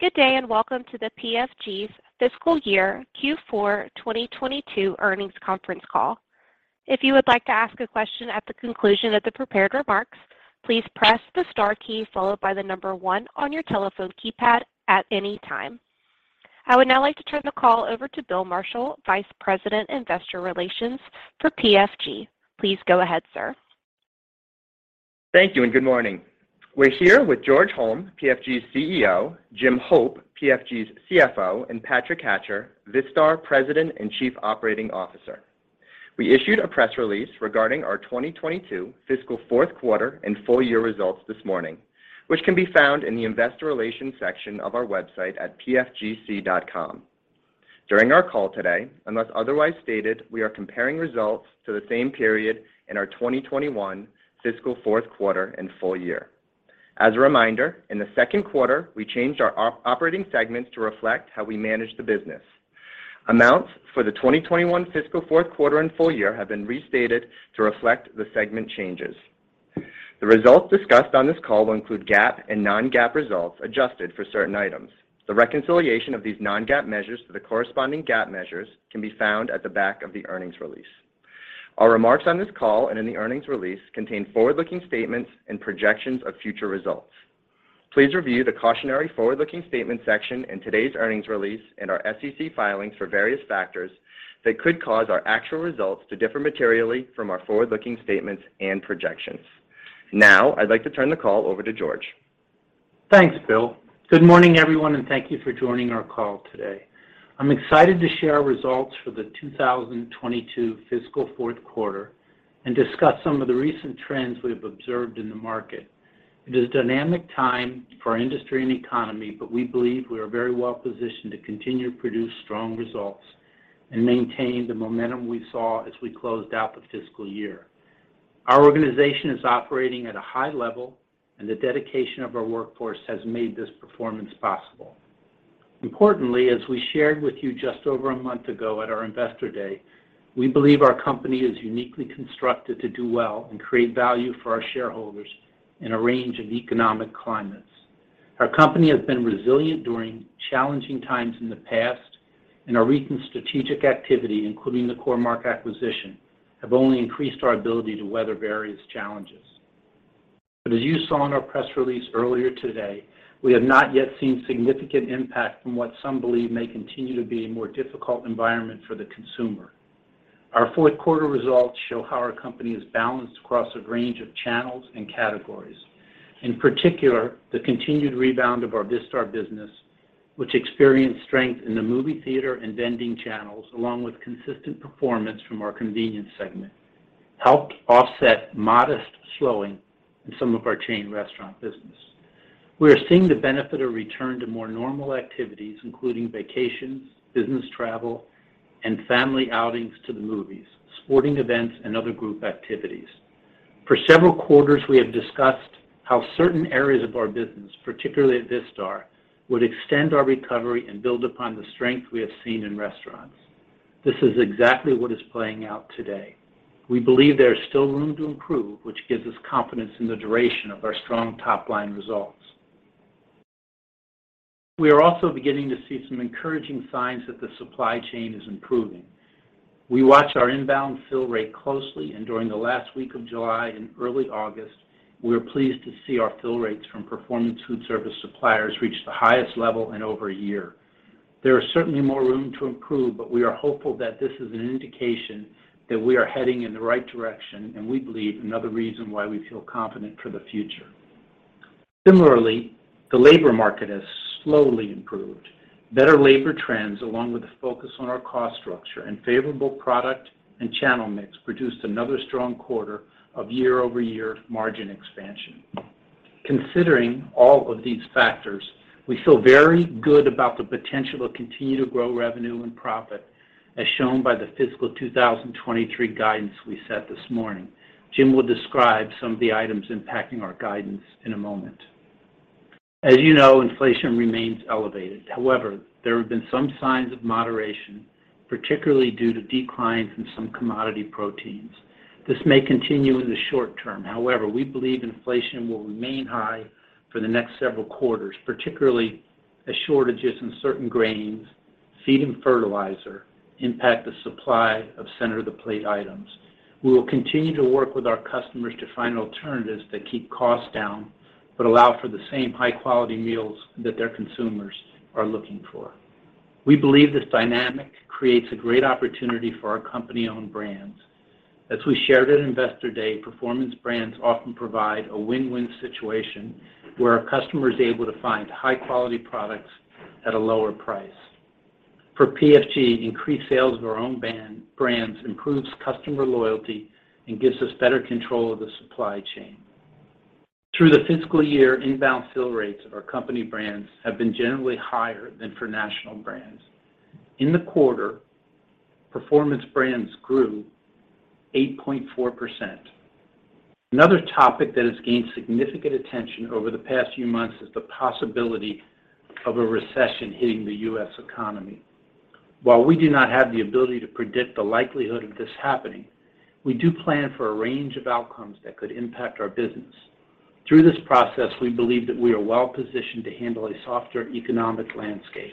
Good day, and welcome to the PFG's Fiscal Year Q4 2022 earnings conference call. If you would like to ask a question at the conclusion of the prepared remarks, please press the star key followed by the number one on your telephone keypad at any time. I would now like to turn the call over to Bill Marshall, Vice President, Investor Relations for PFG. Please go ahead, sir. Thank you and good morning. We're here with George Holm, PFG's CEO, Jim Hope, PFG's CFO, and Patrick Hatcher, Vistar President and Chief Operating Officer. We issued a press release regarding our 2022 fiscal fourth quarter and full year results this morning, which can be found in the Investor Relations section of our website at pfgc.com. During our call today, unless otherwise stated, we are comparing results to the same period in our 2021 fiscal fourth quarter and full year. As a reminder, in the second quarter, we changed our operating segments to reflect how we manage the business. Amounts for the 2021 fiscal fourth quarter and full year have been restated to reflect the segment changes. The results discussed on this call will include GAAP and non-GAAP results adjusted for certain items. The reconciliation of these non-GAAP measures to the corresponding GAAP measures can be found at the back of the earnings release. Our remarks on this call and in the earnings release contain forward-looking statements and projections of future results. Please review the cautionary forward-looking statement section in today's earnings release and our SEC filings for various factors that could cause our actual results to differ materially from our forward-looking statements and projections. Now, I'd like to turn the call over to George. Thanks, Bill. Good morning, everyone, and thank you for joining our call today. I'm excited to share our results for the 2022 fiscal fourth quarter and discuss some of the recent trends we have observed in the market. It is a dynamic time for our industry and economy, but we believe we are very well positioned to continue to produce strong results and maintain the momentum we saw as we closed out the fiscal year. Our organization is operating at a high level, and the dedication of our workforce has made this performance possible. Importantly, as we shared with you just over a month ago at our Investor Day, we believe our company is uniquely constructed to do well and create value for our shareholders in a range of economic climates. Our company has been resilient during challenging times in the past, and our recent strategic activity, including the Core-Mark acquisition, have only increased our ability to weather various challenges. As you saw in our press release earlier today, we have not yet seen significant impact from what some believe may continue to be a more difficult environment for the consumer. Our fourth quarter results show how our company is balanced across a range of channels and categories. In particular, the continued rebound of our Vistar business, which experienced strength in the movie theater and vending channels, along with consistent performance from our convenience segment, helped offset modest slowing in some of our chain restaurant business. We are seeing the benefit of return to more normal activities, including vacations, business travel, and family outings to the movies, sporting events, and other group activities. For several quarters, we have discussed how certain areas of our business, particularly at Vistar, would extend our recovery and build upon the strength we have seen in restaurants. This is exactly what is playing out today. We believe there is still room to improve, which gives us confidence in the duration of our strong top-line results. We are also beginning to see some encouraging signs that the supply chain is improving. We watch our inbound fill rate closely, and during the last week of July and early August, we are pleased to see our fill rates from Performance Foodservice suppliers reach the highest level in over a year. There is certainly more room to improve, but we are hopeful that this is an indication that we are heading in the right direction, and we believe another reason why we feel confident for the future. Similarly, the labor market has slowly improved. Better labor trends, along with a focus on our cost structure and favorable product and channel mix, produced another strong quarter of year-over-year margin expansion. Considering all of these factors, we feel very good about the potential to continue to grow revenue and profit, as shown by the fiscal 2023 guidance we set this morning. Jim will describe some of the items impacting our guidance in a moment. As you know, inflation remains elevated. However, there have been some signs of moderation, particularly due to declines in some commodity proteins. This may continue in the short term. However, we believe inflation will remain high for the next several quarters, particularly as shortages in certain grains, feed, and fertilizer impact the supply of center-of-the-plate items. We will continue to work with our customers to find alternatives that keep costs down but allow for the same high-quality meals that their consumers are looking for. We believe this dynamic creates a great opportunity for our company-owned brands. As we shared at Investor Day, Performance Brands often provide a win-win situation where a customer is able to find high-quality products at a lower price. For PFG, increased sales of our own brands improves customer loyalty and gives us better control of the supply chain. Through the fiscal year, inbound fill rates of our company brands have been generally higher than for national brands. In the quarter, Performance Brands grew 8.4%. Another topic that has gained significant attention over the past few months is the possibility of a recession hitting the U.S. economy. While we do not have the ability to predict the likelihood of this happening, we do plan for a range of outcomes that could impact our business. Through this process, we believe that we are well positioned to handle a softer economic landscape.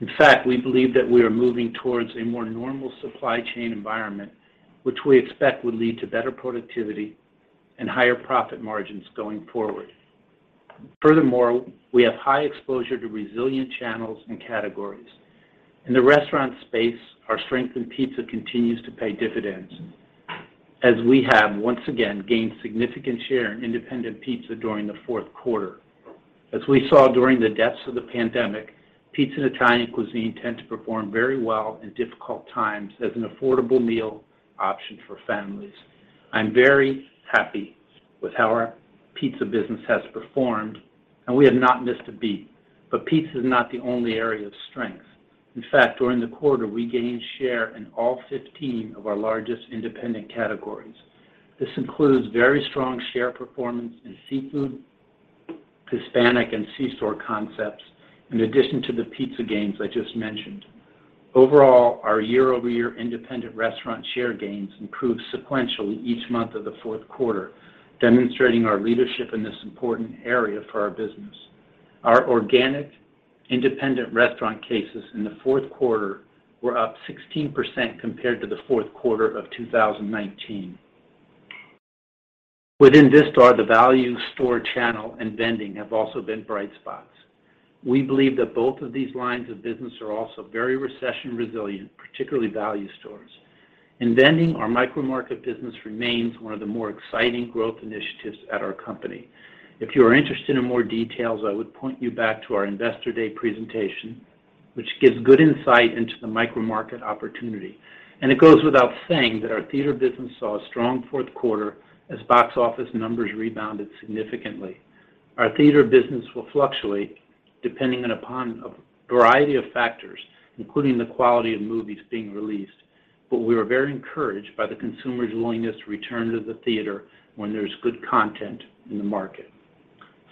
In fact, we believe that we are moving towards a more normal supply chain environment, which we expect will lead to better productivity and higher profit margins going forward. Furthermore, we have high exposure to resilient channels and categories. In the restaurant space, our strength in pizza continues to pay dividends as we have once again gained significant share in independent pizza during the fourth quarter. As we saw during the depths of the pandemic, pizza and Italian cuisine tend to perform very well in difficult times as an affordable meal option for families. I'm very happy with how our pizza business has performed, and we have not missed a beat. Pizza is not the only area of strength. In fact, during the quarter, we gained share in all 15 of our largest independent categories. This includes very strong share performance in seafood, Hispanic, and c-store concepts, in addition to the pizza gains I just mentioned. Overall, our year-over-year independent restaurant share gains improved sequentially each month of the fourth quarter, demonstrating our leadership in this important area for our business. Our organic independent restaurant cases in the fourth quarter were up 16% compared to the fourth quarter of 2019. Within Vistar, the value store channel and vending have also been bright spots. We believe that both of these lines of business are also very recession resilient, particularly value stores. In vending, our micromarket business remains one of the more exciting growth initiatives at our company. If you are interested in more details, I would point you back to our Investor Day presentation, which gives good insight into the micromarket opportunity. It goes without saying that our theater business saw a strong fourth quarter as box office numbers rebounded significantly. Our theater business will fluctuate depending upon a variety of factors, including the quality of movies being released. We are very encouraged by the consumer's willingness to return to the theater when there's good content in the market.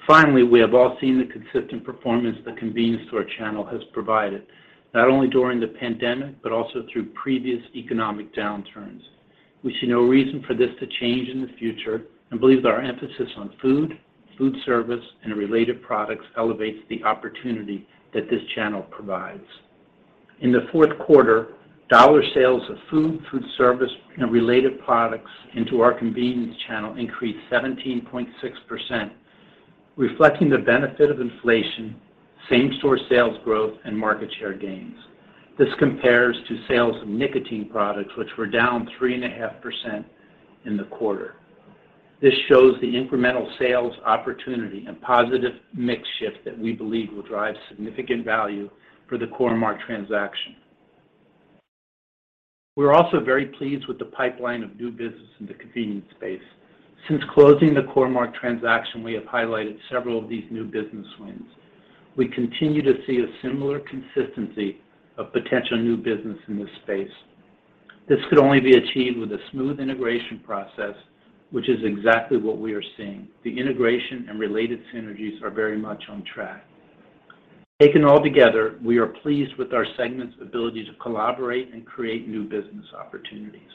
Finally, we have all seen the consistent performance the convenience store channel has provided, not only during the pandemic, but also through previous economic downturns. We see no reason for this to change in the future and believe that our emphasis on food service, and related products elevates the opportunity that this channel provides. In the fourth quarter, dollar sales of food service, and related products into our convenience channel increased 17.6%, reflecting the benefit of inflation, same-store sales growth, and market share gains. This compares to sales of nicotine products, which were down 3.5% in the quarter. This shows the incremental sales opportunity and positive mix shift that we believe will drive significant value for the Core-Mark transaction. We're also very pleased with the pipeline of new business in the convenience space. Since closing the Core-Mark transaction, we have highlighted several of these new business wins. We continue to see a similar consistency of potential new business in this space. This could only be achieved with a smooth integration process, which is exactly what we are seeing. The integration and related synergies are very much on track. Taken all together, we are pleased with our segment's ability to collaborate and create new business opportunities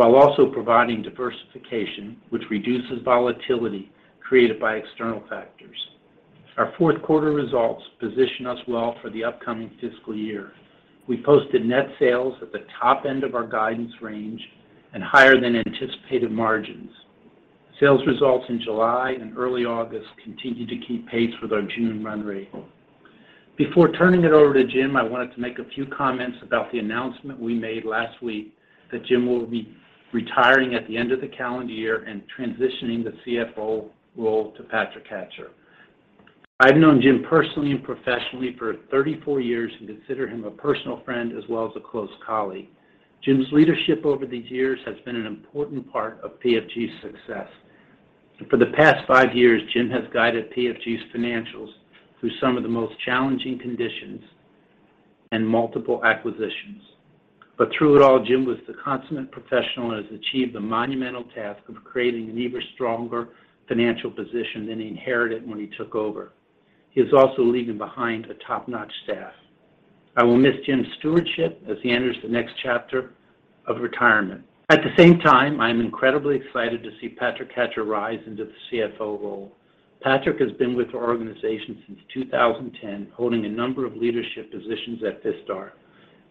while also providing diversification, which reduces volatility created by external factors. Our fourth quarter results position us well for the upcoming fiscal year. We posted net sales at the top end of our guidance range and higher than anticipated margins. Sales results in July and early August continue to keep pace with our June run rate. Before turning it over to Jim, I wanted to make a few comments about the announcement we made last week that Jim will be retiring at the end of the calendar year and transitioning the CFO role to Patrick Hatcher. I've known Jim personally and professionally for 34 years and consider him a personal friend as well as a close colleague. Jim's leadership over these years has been an important part of PFG's success. For the past five years, Jim has guided PFG's financials through some of the most challenging conditions and multiple acquisitions. Through it all, Jim was the consummate professional and has achieved the monumental task of creating an even stronger financial position than he inherited when he took over. He is also leaving behind a top-notch staff. I will miss Jim's stewardship as he enters the next chapter of retirement. At the same time, I'm incredibly excited to see Patrick Hatcher rise into the CFO role. Patrick has been with our organization since 2010, holding a number of leadership positions at Vistar,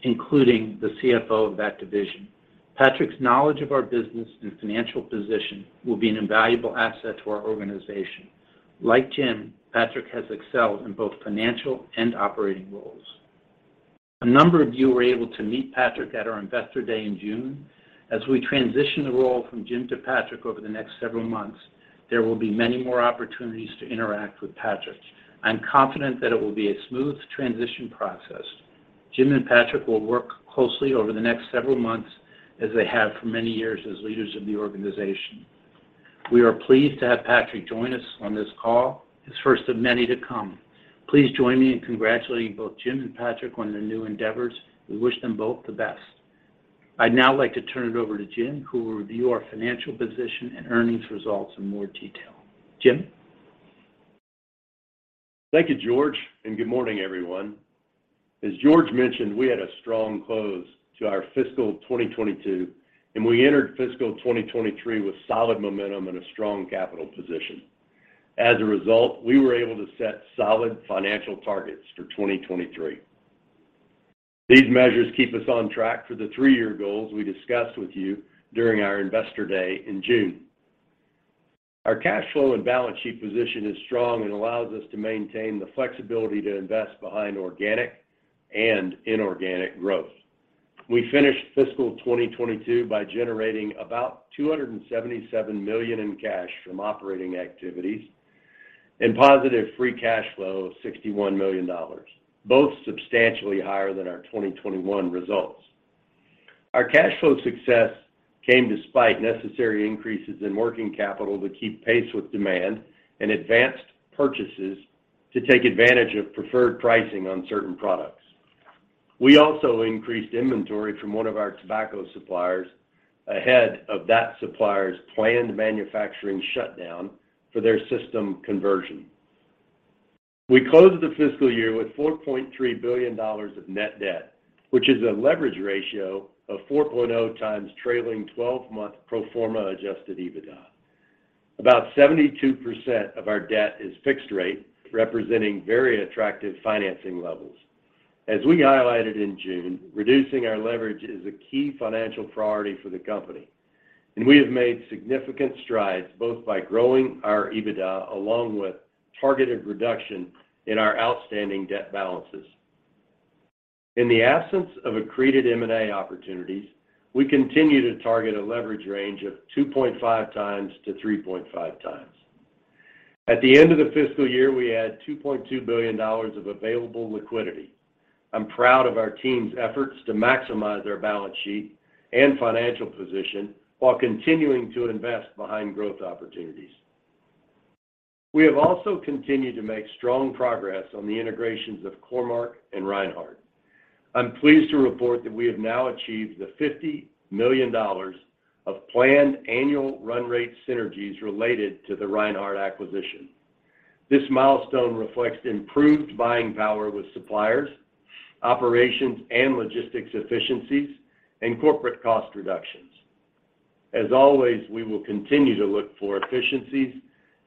including the CFO of that division. Patrick's knowledge of our business and financial position will be an invaluable asset to our organization. Like Jim, Patrick has excelled in both financial and operating roles. A number of you were able to meet Patrick at our Investor Day in June. As we transition the role from Jim to Patrick over the next several months, there will be many more opportunities to interact with Patrick. I'm confident that it will be a smooth transition process. Jim and Patrick will work closely over the next several months, as they have for many years as leaders of the organization. We are pleased to have Patrick join us on this call, his first of many to come. Please join me in congratulating both Jim and Patrick on their new endeavors. We wish them both the best. I'd now like to turn it over to Jim, who will review our financial position and earnings results in more detail. Jim? Thank you, George, and good morning, everyone. As George mentioned, we had a strong close to our fiscal 2022, and we entered fiscal 2023 with solid momentum and a strong capital position. As a result, we were able to set solid financial targets for 2023. These measures keep us on track for the three year goals we discussed with you during our Investor Day in June. Our cash flow and balance sheet position is strong and allows us to maintain the flexibility to invest behind organic and inorganic growth. We finished fiscal 2022 by generating about $277 million in cash from operating activities and positive free cash flow of $61 million, both substantially higher than our 2021 results. Our cash flow success came despite necessary increases in working capital to keep pace with demand and advanced purchases to take advantage of preferred pricing on certain products. We also increased inventory from one of our tobacco suppliers ahead of that supplier's planned manufacturing shutdown for their system conversion. We closed the fiscal year with $4.3 billion of net debt, which is a leverage ratio of 4.0x trailing twelve-month pro forma adjusted EBITDA. About 72% of our debt is fixed rate, representing very attractive financing levels. As we highlighted in June, reducing our leverage is a key financial priority for the company, and we have made significant strides both by growing our EBITDA along with targeted reduction in our outstanding debt balances. In the absence of accretive M&A opportunities, we continue to target a leverage range of 2.5x to 3.5x. At the end of the fiscal year, we had $2.2 billion of available liquidity. I'm proud of our team's efforts to maximize our balance sheet and financial position while continuing to invest behind growth opportunities. We have also continued to make strong progress on the integrations of Core-Mark and Reinhart. I'm pleased to report that we have now achieved the $50 million of planned annual run rate synergies related to the Reinhart acquisition. This milestone reflects improved buying power with suppliers, operations and logistics efficiencies, and corporate cost reductions. As always, we will continue to look for efficiencies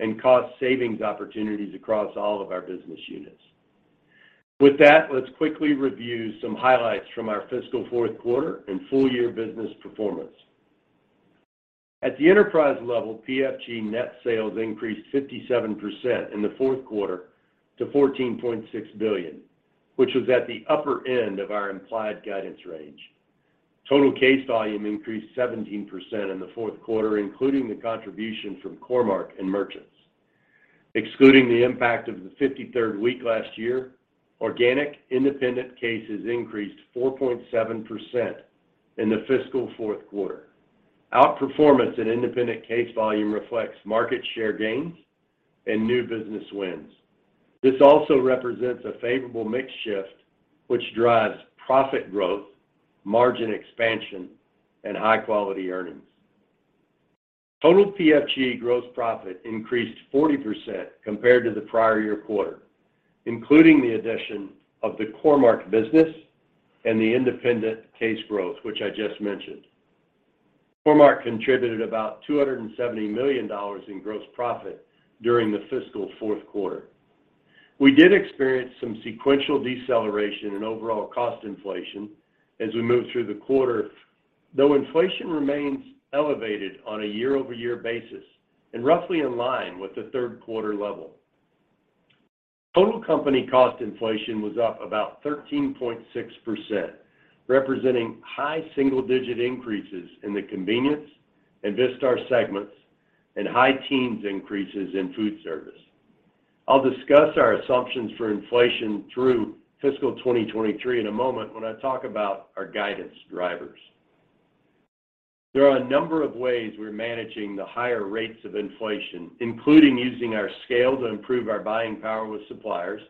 and cost savings opportunities across all of our business units. With that, let's quickly review some highlights from our fiscal fourth quarter and full year business performance. At the enterprise level, PFG net sales increased 57% in the fourth quarter to $14.6 billion, which was at the upper end of our implied guidance range. Total case volume increased 17% in the fourth quarter, including the contribution from Core-Mark and Merchants. Excluding the impact of the 53rd week last year, organic independent cases increased 4.7% in the fiscal fourth quarter. Outperformance in independent case volume reflects market share gains and new business wins. This also represents a favorable mix shift, which drives profit growth, margin expansion and high-quality earnings. Total PFG gross profit increased 40% compared to the prior year quarter, including the addition of the Core-Mark business and the independent case growth, which I just mentioned. Core-Mark contributed about $270 million in gross profit during the fiscal fourth quarter. We did experience some sequential deceleration in overall cost inflation as we moved through the quarter, though inflation remains elevated on a year-over-year basis and roughly in line with the third quarter level. Total company cost inflation was up about 13.6%, representing high single-digit increases in the convenience and Vistar segments and high teens increases in foodservice. I'll discuss our assumptions for inflation through fiscal 2023 in a moment when I talk about our guidance drivers. There are a number of ways we're managing the higher rates of inflation, including using our scale to improve our buying power with suppliers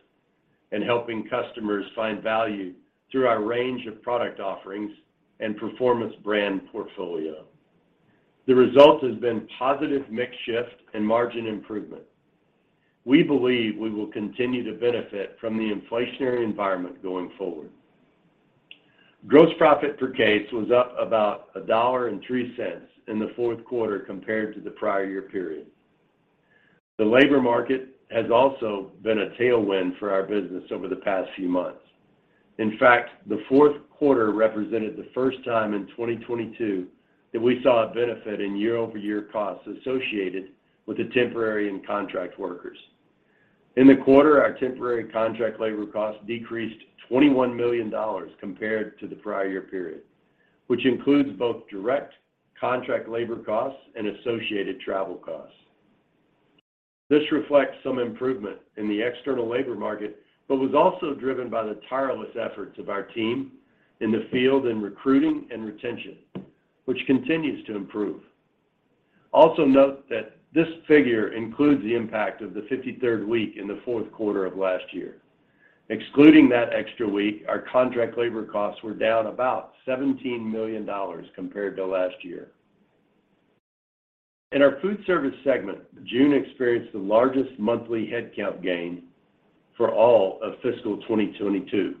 and helping customers find value through our range of product offerings and Performance Brands portfolio. The result has been positive mix shift and margin improvement. We believe we will continue to benefit from the inflationary environment going forward. Gross profit per case was up about $1.03 in the fourth quarter compared to the prior year period. The labor market has also been a tailwind for our business over the past few months. In fact, the fourth quarter represented the first time in 2022 that we saw a benefit in year-over-year costs associated with the temporary and contract workers. In the quarter, our temporary contract labor costs decreased $21 million compared to the prior year period, which includes both direct contract labor costs and associated travel costs. This reflects some improvement in the external labor market, but was also driven by the tireless efforts of our team in the field in recruiting and retention, which continues to improve. Also note that this figure includes the impact of the 53rd week in the fourth quarter of last year. Excluding that extra week, our contract labor costs were down about $17 million compared to last year. In our food service segment, June experienced the largest monthly headcount gain for all of fiscal 2022.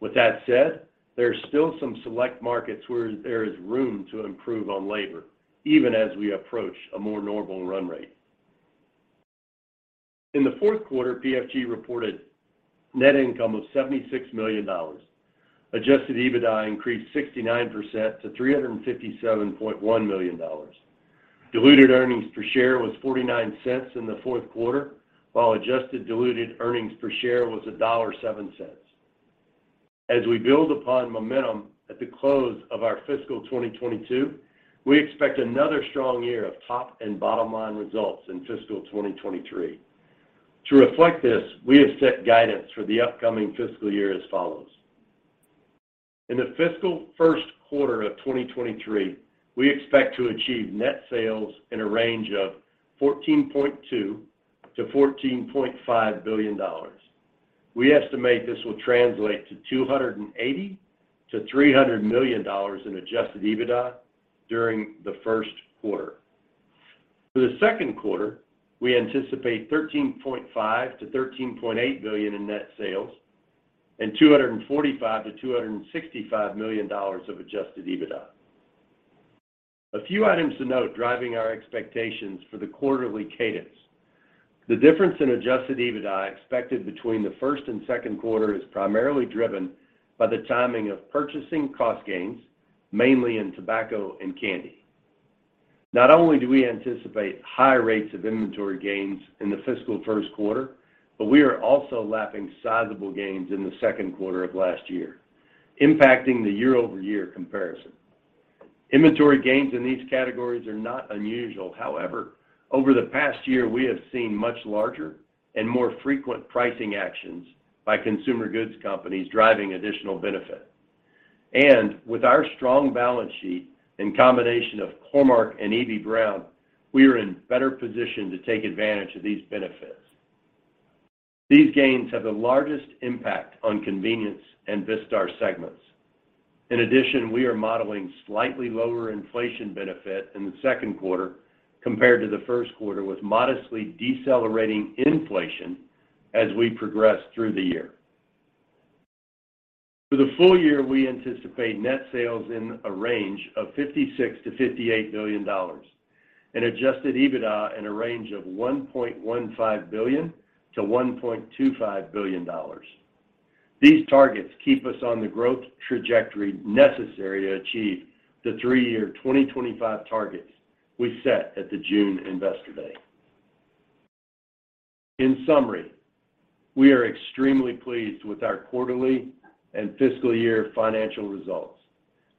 With that said, there are still some select markets where there is room to improve on labor, even as we approach a more normal run rate. In the fourth quarter, PFG reported net income of $76 million. Adjusted EBITDA increased 69% to $357.1 million. Diluted earnings per share was $0.49 in the fourth quarter, while adjusted diluted earnings per share was $1.07. As we build upon momentum at the close of our fiscal 2022, we expect another strong year of top and bottom line results in fiscal 2023. To reflect this, we have set guidance for the upcoming fiscal year as follows. In the fiscal first quarter of 2023, we expect to achieve net sales in a range of $14.2 billion-$14.5 billion. We estimate this will translate to $280 million-$300 million in adjusted EBITDA during the first quarter. For the second quarter, we anticipate $13.5 billion-$13.8 billion in net sales and $245 million-$265 million of adjusted EBITDA. A few items to note driving our expectations for the quarterly cadence. The difference in adjusted EBITDA expected between the first and second quarter is primarily driven by the timing of purchasing cost gains, mainly in tobacco and candy. Not only do we anticipate high rates of inventory gains in the fiscal first quarter, but we are also lapping sizable gains in the second quarter of last year, impacting the year-over-year comparison. Inventory gains in these categories are not unusual. However, over the past year, we have seen much larger and more frequent pricing actions by consumer goods companies driving additional benefit. With our strong balance sheet in combination of Core-Mark and Eby-Brown, we are in better position to take advantage of these benefits. These gains have the largest impact on Convenience and Vistar segments. In addition, we are modeling slightly lower inflation benefit in the second quarter compared to the first quarter, with modestly decelerating inflation as we progress through the year. For the full year, we anticipate net sales in a range of $56 billion-$58 billion and adjusted EBITDA in a range of $1.15 billion-$1.25 billion. These targets keep us on the growth trajectory necessary to achieve the three year 2025 targets we set at the June Investor Day. In summary, we are extremely pleased with our quarterly and fiscal year financial results.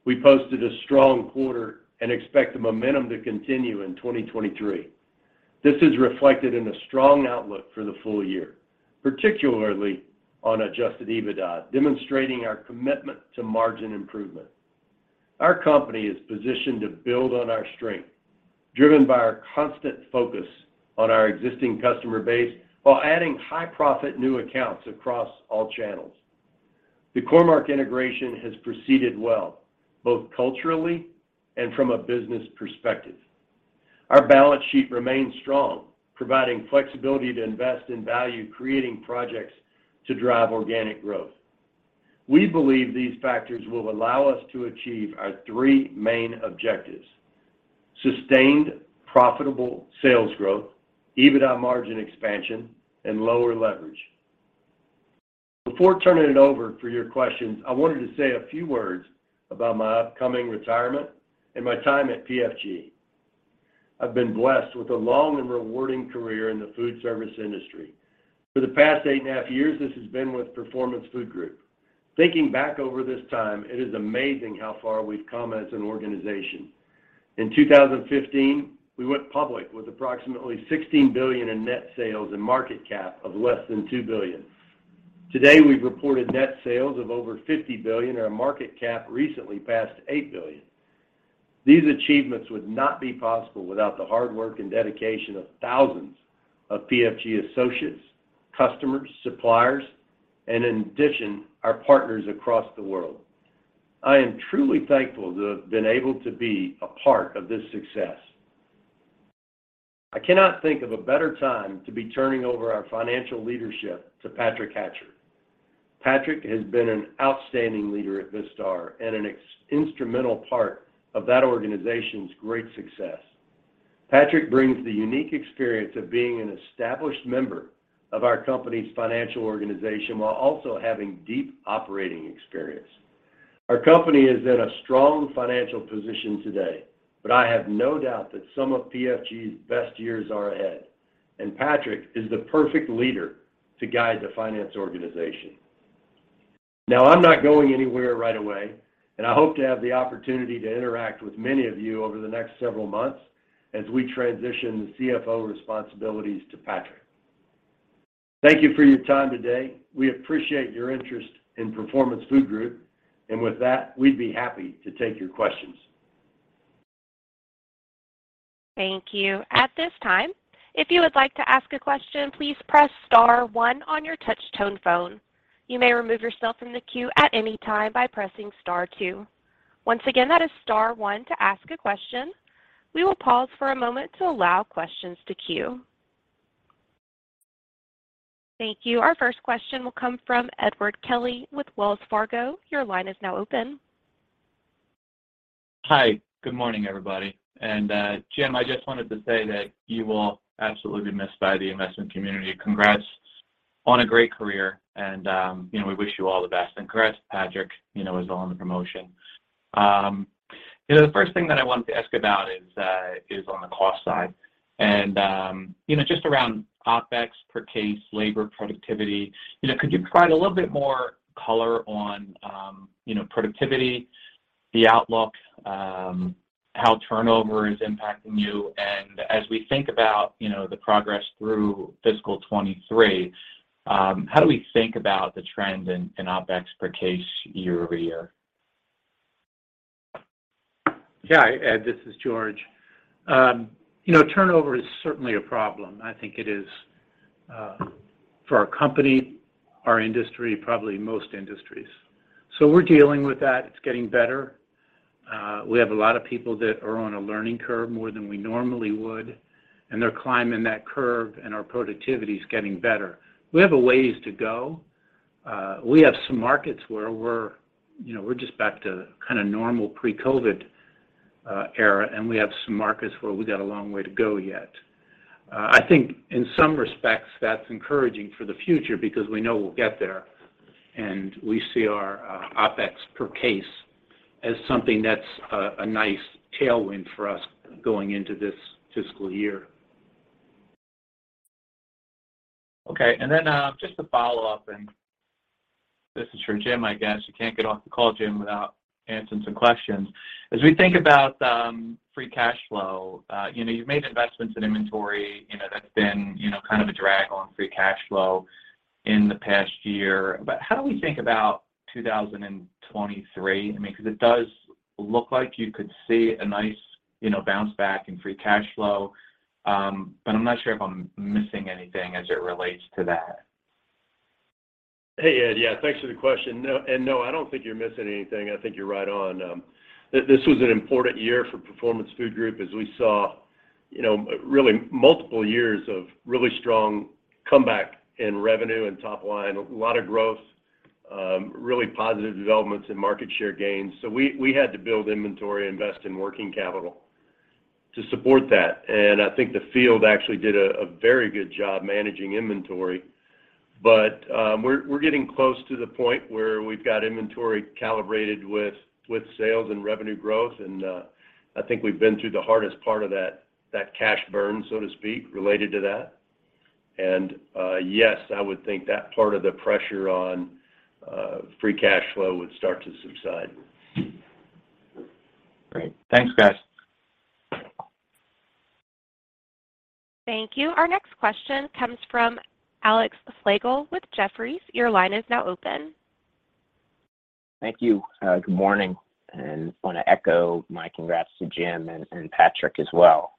We posted a strong quarter and expect the momentum to continue in 2023. This is reflected in a strong outlook for the full year, particularly on adjusted EBITDA, demonstrating our commitment to margin improvement. Our company is positioned to build on our strength, driven by our constant focus on our existing customer base while adding high profit new accounts across all channels. The Core-Mark integration has proceeded well, both culturally and from a business perspective. Our balance sheet remains strong, providing flexibility to invest in value creating projects to drive organic growth. We believe these factors will allow us to achieve our three main objectives, sustained profitable sales growth, EBITDA margin expansion, and lower leverage. Before turning it over for your questions, I wanted to say a few words about my upcoming retirement and my time at PFG. I've been blessed with a long and rewarding career in the foodservice industry. For the past eight and a half years, this has been with Performance Food Group. Thinking back over this time, it is amazing how far we've come as an organization. In 2015, we went public with approximately $16 billion in net sales and market cap of less than $2 billion. Today, we've reported net sales of over $50 billion, and our market cap recently passed $8 billion. These achievements would not be possible without the hard work and dedication of thousands of PFG associates, customers, suppliers, and in addition, our partners across the world. I am truly thankful to have been able to be a part of this success. I cannot think of a better time to be turning over our financial leadership to Patrick Hatcher. Patrick has been an outstanding leader at Vistar and an instrumental part of that organization's great success. Patrick brings the unique experience of being an established member of our company's financial organization while also having deep operating experience. Our company is in a strong financial position today, but I have no doubt that some of PFG's best years are ahead, and Patrick is the perfect leader to guide the finance organization. Now, I'm not going anywhere right away, and I hope to have the opportunity to interact with many of you over the next several months as we transition the CFO responsibilities to Patrick. Thank you for your time today. We appreciate your interest in Performance Food Group. With that, we'd be happy to take your questions. Thank you. At this time, if you would like to ask a question, please press star one on your touch-tone phone. You may remove yourself from the queue at any time by pressing star two. Once again, that is star one to ask a question. We will pause for a moment to allow questions to queue. Thank you. Our first question will come from Edward Kelly with Wells Fargo. Your line is now open. Hi, good morning, everybody. Jim, I just wanted to say that you will absolutely be missed by the investment community. Congrats on a great career and, you know, we wish you all the best. Congrats, Patrick, you know, as well on the promotion. You know, the first thing that I wanted to ask about is on the cost side. You know, just around OpEx per case, labor productivity, you know, could you provide a little bit more color on, you know, productivity, the outlook, how turnover is impacting you? As we think about, you know, the progress through fiscal 2023, how do we think about the trends in OpEx per case year over year? Yeah. Ed, this is George. You know, turnover is certainly a problem. I think it is for our company, our industry, probably most industries. We're dealing with that. It's getting better. We have a lot of people that are on a learning curve more than we normally would, and they're climbing that curve, and our productivity is getting better. We have a ways to go. We have some markets where we're, you know, we're just back to kind of normal pre-COVID era, and we have some markets where we got a long way to go yet. I think in some respects, that's encouraging for the future because we know we'll get there, and we see our OpEx per case as something that's a nice tailwind for us going into this fiscal year. Okay. Just to follow up, this is for Jim, I guess. You can't get off the call, Jim, without answering some questions. As we think about free cash flow, you know, you've made investments in inventory, you know, that's been, you know, kind of a drag on free cash flow in the past year. How do we think about 2023? I mean, 'cause it does look like you could see a nice, you know, bounce back in free cash flow. I'm not sure if I'm missing anything as it relates to that. Hey, Ed. Yeah, thanks for the question. No, and no, I don't think you're missing anything. I think you're right on. This was an important year for Performance Food Group, as we saw, you know, really multiple years of really strong comeback in revenue and top line, a lot of growth, really positive developments and market share gains. We had to build inventory, invest in working capital to support that. I think the field actually did a very good job managing inventory. We're getting close to the point where we've got inventory calibrated with sales and revenue growth, and I think we've been through the hardest part of that cash burn, so to speak, related to that. Yes, I would think that part of the pressure on free cash flow would start to subside. Great. Thanks, guys. Thank you. Our next question comes from Alex Slagle with Jefferies. Your line is now open. Thank you. Good morning. Want to echo my congrats to Jim and Patrick as well.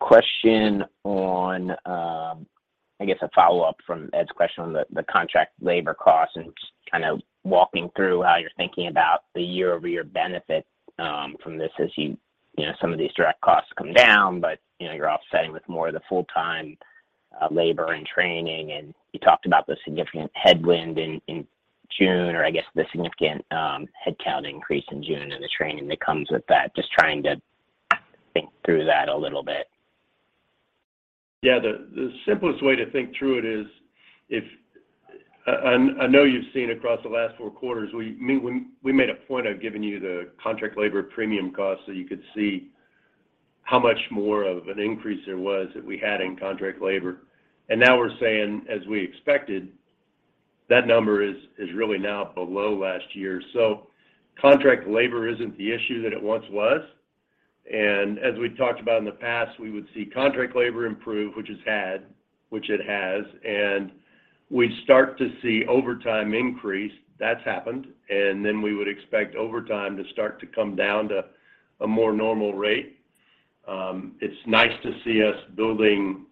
Question on, I guess a follow-up from Ed's question on the contract labor costs and just kind of walking through how you're thinking about the year-over-year benefit from this as you know, some of these direct costs come down, but you know, you're offsetting with more of the full-time labor and training. You talked about the significant headwind in June, or I guess the significant headcount increase in June and the training that comes with that. Just trying to think through that a little bit. Yeah. The simplest way to think through it, and I know you've seen across the last four quarters, we made a point of giving you the contract labor premium cost, so you could see how much more of an increase there was that we had in contract labor. Now we're saying, as we expected, that number is really now below last year. Contract labor isn't the issue that it once was. As we talked about in the past, we would see contract labor improve, which it has, and we start to see overtime increase. That's happened. Then we would expect overtime to start to come down to a more normal rate. It's nice to see us building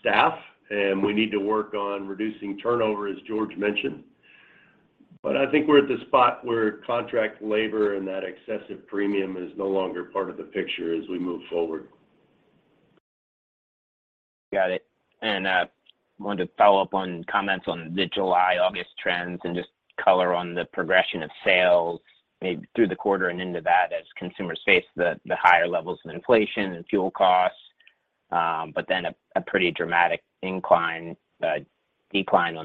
staff, and we need to work on reducing turnover, as George mentioned. I think we're at the spot where contract labor and that excessive premium is no longer part of the picture as we move forward. Got it. Wanted to follow up on comments on the July, August trends and just color on the progression of sales maybe through the quarter and into that as consumers face the higher levels of inflation and fuel costs. Then a pretty dramatic decline in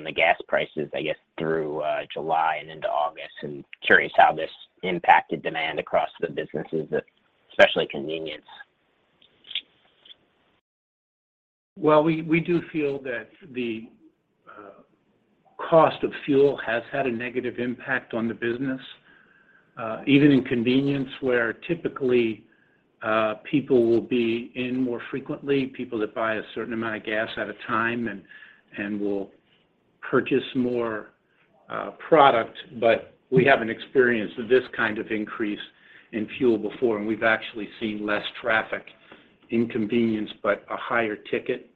the gas prices, I guess, through July and into August. Curious how this impacted demand across the businesses, especially convenience. Well, we do feel that the cost of fuel has had a negative impact on the business, even in convenience, where typically people will be in more frequently, people that buy a certain amount of gas at a time and will purchase more product. We haven't experienced this kind of increase in fuel before, and we've actually seen less traffic in convenience, but a higher ticket.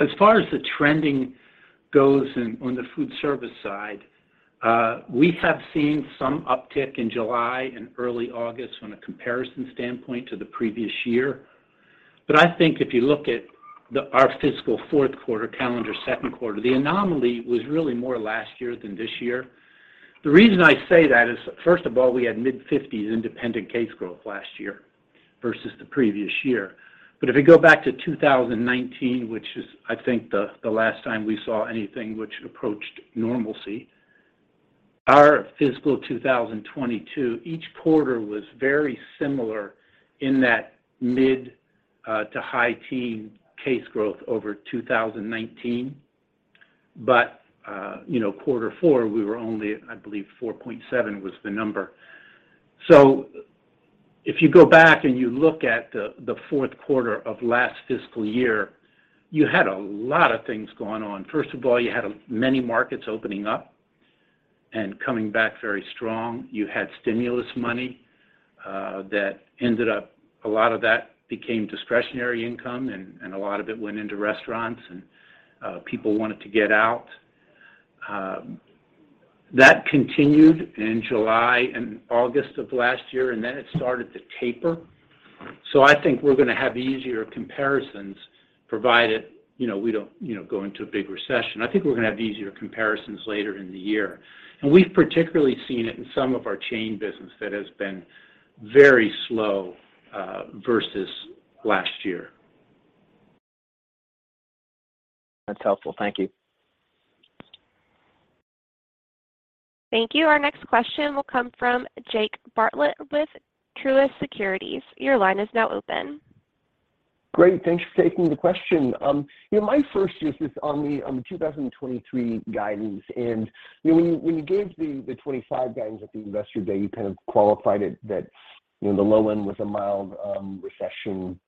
As far as the trending goes in on the food service side, we have seen some uptick in July and early August from a comparison standpoint to the previous year. I think if you look at our fiscal fourth quarter, calendar second quarter, the anomaly was really more last year than this year. The reason I say that is, first of all, we had mid-fifties independent case growth last year versus the previous year. If you go back to 2019, which is I think the last time we saw anything which approached normalcy, our fiscal 2022, each quarter was very similar in that mid- to high-teens case growth over 2019. You know, quarter four, we were only at, I believe 4.7% was the number. If you go back and you look at the fourth quarter of last fiscal year, you had a lot of things going on. First of all, you had many markets opening up and coming back very strong. You had stimulus money that ended up a lot of that became discretionary income and a lot of it went into restaurants, and people wanted to get out. That continued in July and August of last year, and then it started to taper. I think we're gonna have easier comparisons provided, you know, we don't, you know, go into a big recession. I think we're gonna have easier comparisons later in the year. We've particularly seen it in some of our chain business that has been very slow versus last year. That's helpful. Thank you. Thank you. Our next question will come from Jake Bartlett with Truist Securities. Your line is now open. Great. Thanks for taking the question. You know, my first question is on the 2023 guidance. You know, when you gave the 25 guidance at the Investor Day, you kind of qualified it that you know, the low end was a mild recession.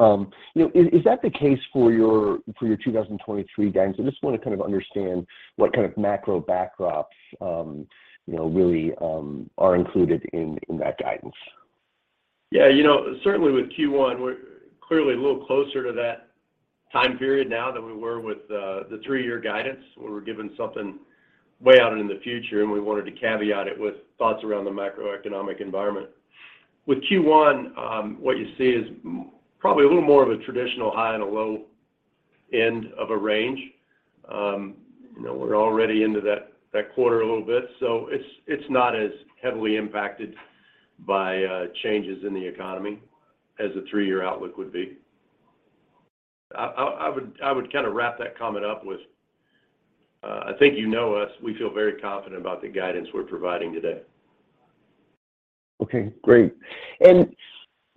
You know, is that the case for your 2023 guidance? I just wanna kind of understand what kind of macro backdrops you know, really are included in that guidance. Yeah. You know, certainly with Q1, we're clearly a little closer to that time period now than we were with the three year guidance, where we're given something way out in the future, and we wanted to caveat it with thoughts around the macroeconomic environment. With Q1, what you see is probably a little more of a traditional high and a low end of a range. You know, we're already into that quarter a little bit, so it's not as heavily impacted by changes in the economy as the three year outlook would be. I would kind of wrap that comment up with, I think you know us. We feel very confident about the guidance we're providing today. Okay. Great.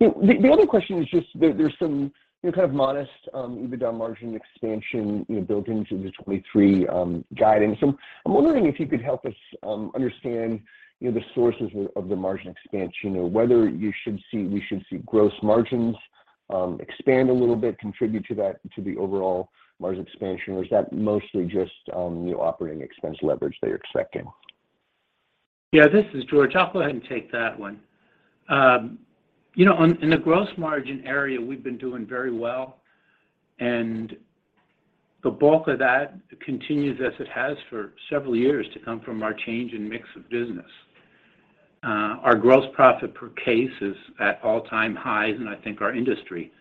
The other question is just there. There's some, you know, kind of modest EBITDA margin expansion, you know, built into the 2023 guidance. I'm wondering if you could help us understand, you know, the sources of the margin expansion or whether we should see gross margins expand a little bit, contribute to that, to the overall margin expansion, or is that mostly just, you know, operating expense leverage that you're expecting? Yeah, this is George. I'll go ahead and take that one. You know, on, in the gross margin area, we've been doing very well, and the bulk of that continues as it has for several years to come from our change in mix of business. Our gross profit per case is at all-time highs, and I think our industry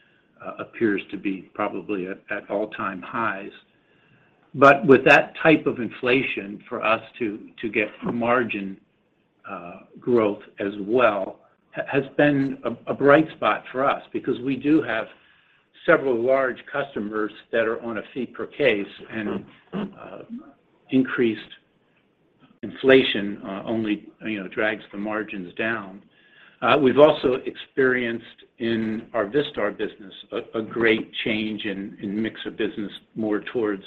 appears to be probably at all-time highs. With that type of inflation, for us to get margin growth as well has been a bright spot for us because we do have several large customers that are on a fee per case, and increased inflation only, you know, drags the margins down. We've also experienced in our Vistar business a great change in mix of business more towards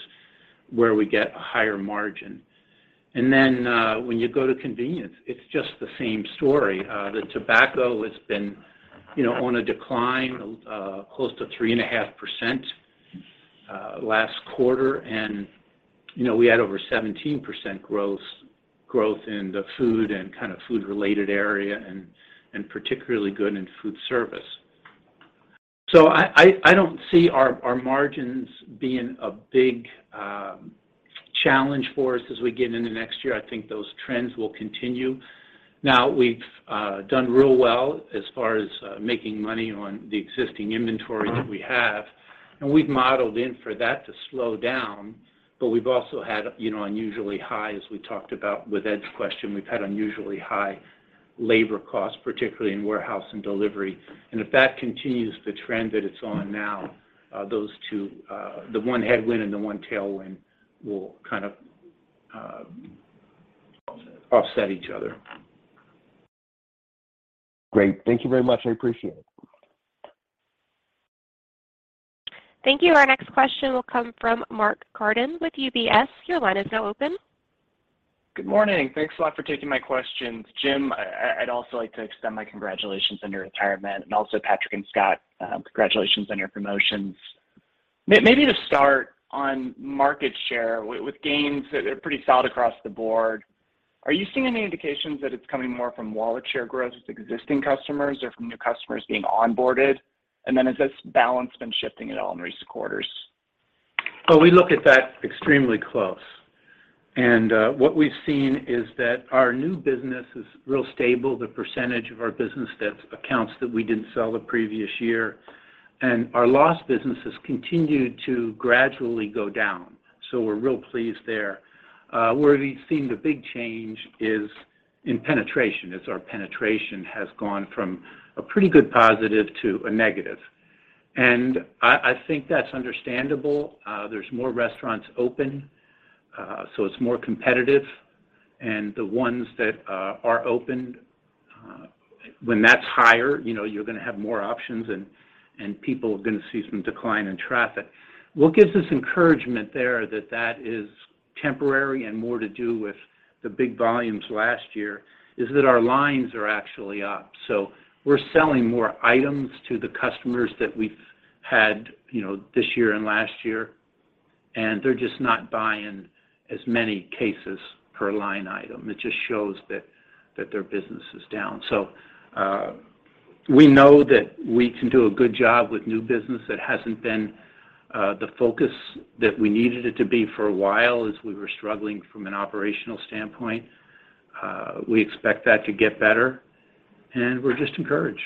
where we get a higher margin. When you go to convenience, it's just the same story. The tobacco has been, you know, on a decline, close to 3.5%, last quarter. We had over 17% gross growth in the food and kind of food-related area and particularly good in food service. I don't see our margins being a big challenge for us as we get into next year. I think those trends will continue. Now, we've done real well as far as making money on the existing inventory that we have, and we've modeled in for that to slow down. We've also had, you know, unusually high, as we talked about with Ed's question, unusually high labor costs, particularly in warehouse and delivery. If that continues the trend that it's on now, those two, the one headwind and the one tailwind will kind of offset each other. Great. Thank you very much. I appreciate it. Thank you. Our next question will come from Mark Carden with UBS. Your line is now open. Good morning. Thanks a lot for taking my questions. Jim, I'd also like to extend my congratulations on your retirement and also Patrick and Scott, congratulations on your promotions. Maybe to start on market share, with gains that are pretty solid across the board, are you seeing any indications that it's coming more from wallet share growth with existing customers or from new customers being onboarded? Has this balance been shifting at all in recent quarters? Well, we look at that extremely close. What we've seen is that our new business is real stable, the percentage of our business that's accounts that we didn't sell the previous year. Our lost business has continued to gradually go down. We're real pleased there. Where we've seen the big change is in penetration, as our penetration has gone from a pretty good positive to a negative. I think that's understandable. There's more restaurants open, so it's more competitive. The ones that are open, when that's higher, you know, you're gonna have more options and people are gonna see some decline in traffic. What gives us encouragement there that is temporary and more to do with the big volumes last year is that our lines are actually up. We're selling more items to the customers that we've had, you know, this year and last year, and they're just not buying as many cases per line item, which just shows that their business is down. We know that we can do a good job with new business. That hasn't been the focus that we needed it to be for a while as we were struggling from an operational standpoint. We expect that to get better, and we're just encouraged.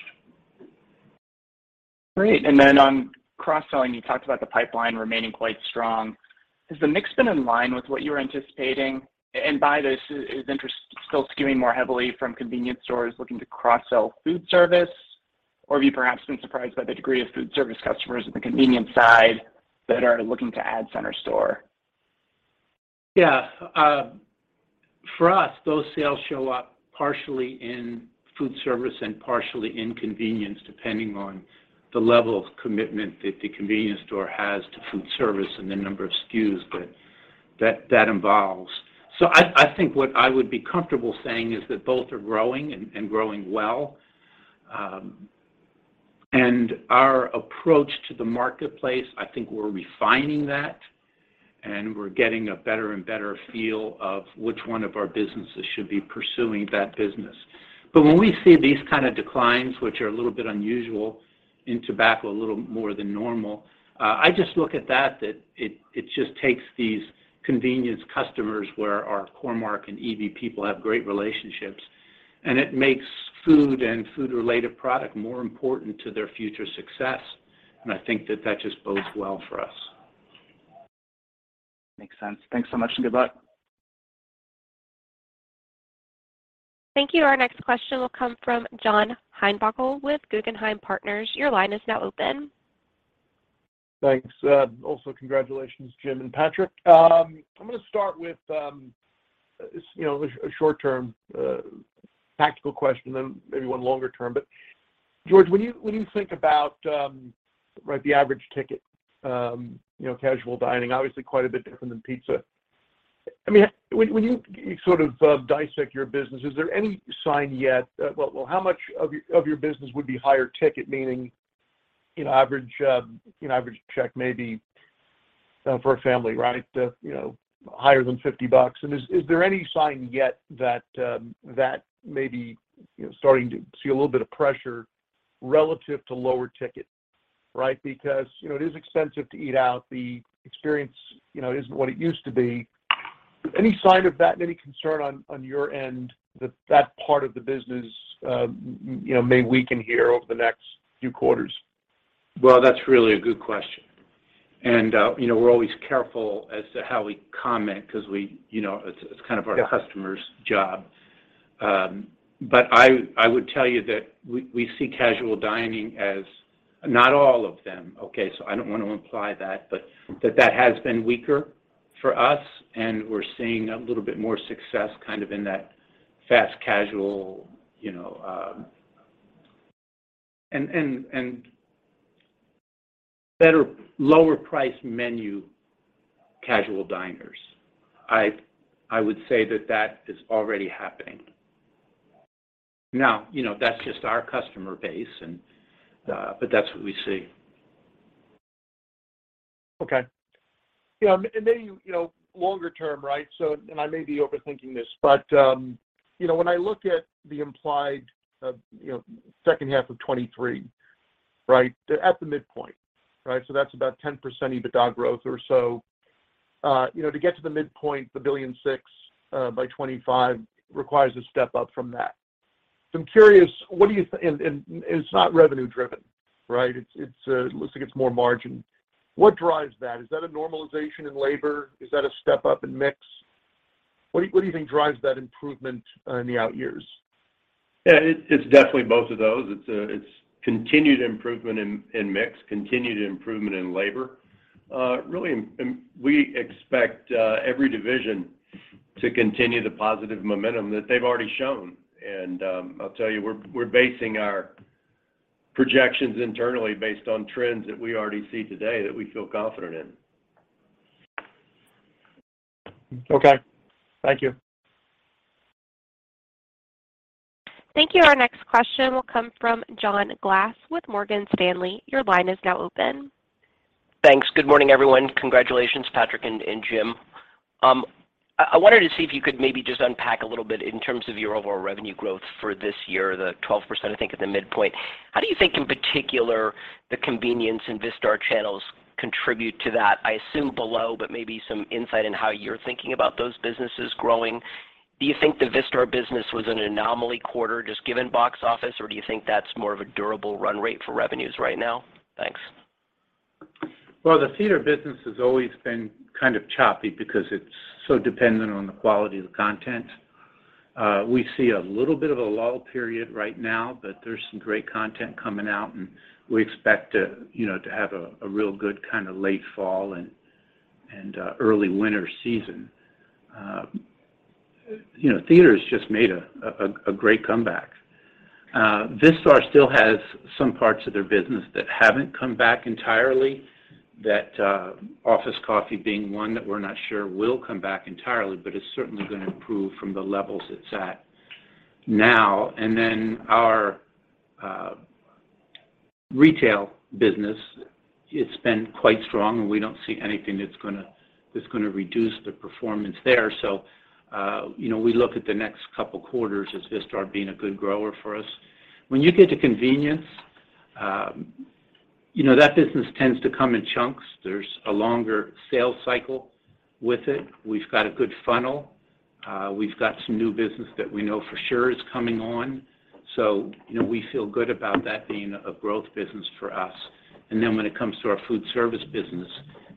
Great. Then on cross-selling, you talked about the pipeline remaining quite strong. Has the mix been in line with what you were anticipating? By this, is interest still skewing more heavily from convenience stores looking to cross-sell food service? Or have you perhaps been surprised by the degree of food service customers on the convenience side that are looking to add center store? Yeah. For us, those sales show up partially in foodservice and partially in convenience, depending on the level of commitment that the convenience store has to foodservice and the number of SKUs that involves. I think what I would be comfortable saying is that both are growing and growing well. Our approach to the marketplace, I think we're refining that, and we're getting a better and better feel of which one of our businesses should be pursuing that business. When we see these kind of declines, which are a little bit unusual, in tobacco a little more than normal, I just look at that it just takes these convenience customers where our Core-Mark and Eby-Brown people have great relationships, and it makes food and food-related product more important to their future success. I think that just bodes well for us. Makes sense. Thanks so much, and good luck. Thank you. Our next question will come from John Heinbockel with Guggenheim Partners. Your line is now open. Thanks. Also congratulations, Jim and Patrick. I'm gonna start with, you know, a short term tactical question, then maybe one longer term. George, when you think about, right, the average ticket, you know, casual dining, obviously quite a bit different than pizza. I mean, when you sort of dissect your business, is there any sign yet? Well, how much of your business would be higher ticket, meaning, you know, average check maybe for a family, right? You know, higher than $50. Is there any sign yet that may be starting to see a little bit of pressure relative to lower ticket, right? Because, you know, it is expensive to eat out. The experience, you know, isn't what it used to be. Any sign of that and any concern on your end that part of the business, you know, may weaken here over the next few quarters? Well, that's really a good question. You know, we're always careful as to how we comment because we, you know, it's kind of our, Yeah Customers' job. I would tell you that we see casual dining as, not all of them, okay, so I don't want to imply that, but that has been weaker for us, and we're seeing a little bit more success kind of in that fast casual, you know, and better lower priced menu casual diners. I would say that is already happening. Now, you know, that's just our customer base and, but that's what we see. Okay. Yeah, then, you know, longer term, right? I may be overthinking this, but, you know, when I look at the implied, you know, second half of 2023, right? At the midpoint, right? That's about 10% EBITDA growth or so. You know, to get to the midpoint, the $1.6 billion, by 2025 requires a step up from that. I'm curious, what do you, it's not revenue driven, right? It looks like it's more margin. What drives that? Is that a normalization in labor? Is that a step up in mix? What do you think drives that improvement in the out years? Yeah, it's definitely both of those. It's continued improvement in mix, continued improvement in labor. Really, we expect every division to continue the positive momentum that they've already shown. I'll tell you, we're basing our projections internally based on trends that we already see today that we feel confident in. Okay. Thank you. Thank you. Our next question will come from John Glass with Morgan Stanley. Your line is now open. Thanks. Good morning, everyone. Congratulations, Patrick and Jim. I wanted to see if you could maybe just unpack a little bit in terms of your overall revenue growth for this year, the 12%, I think, at the midpoint. How do you think, in particular, the convenience and Vistar channels contribute to that? I assume below, but maybe some insight into how you're thinking about those businesses growing. Do you think the Vistar business was an anomaly quarter just given box office, or do you think that's more of a durable run rate for revenues right now? Thanks. Well, the theater business has always been kind of choppy because it's so dependent on the quality of the content. We see a little bit of a lull period right now, but there's some great content coming out, and we expect to, you know, have a real good kinda late fall and early winter season. You know, theater's just made a great comeback. Vistar still has some parts of their business that haven't come back entirely, Office Coffee being one that we're not sure will come back entirely, but it's certainly gonna improve from the levels it's at now. Then our retail business, it's been quite strong, and we don't see anything that's gonna reduce the performance there. You know, we look at the next couple quarters as Vistar being a good grower for us. When you get to convenience, you know, that business tends to come in chunks. There's a longer sales cycle with it. We've got a good funnel. We've got some new business that we know for sure is coming on, so you know, we feel good about that being a growth business for us. When it comes to our foodservice business,